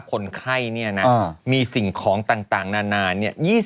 คนไข้มีสิ่งของต่างนานาน